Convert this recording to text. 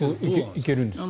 いけるんですか？